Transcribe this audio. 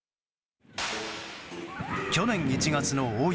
去年１月の大雪。